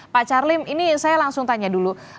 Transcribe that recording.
pak charliem ini saya langsung tanya dulu